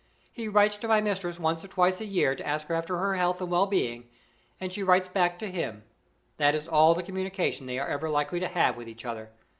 He writes to my mistress once or twice a year to ask after her health and well being, and she writes back to him. That is all the communication they are ever likely to have with each other.